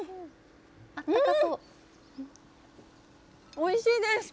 おいしいです。